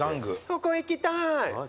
ここ行きたい。